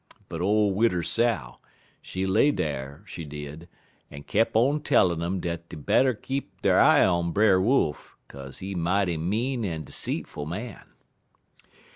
But ole Widder Sow, she lay dar, she did, en keep on tellin' um dat dey better keep der eye on Brer Wolf, kaz he mighty mean en 'seetful man.